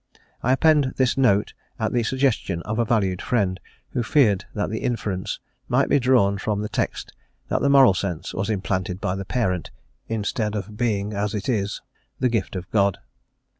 I append this note at the suggestion of a valued friend, who feared that the inference might be drawn from the text that the moral sense was implanted by the parent instead of being, as it is, the gift of God.